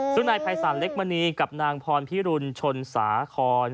ซึ่งในภายศาสตร์เล็กมณีกับนางพรพิรุนชนสาคอน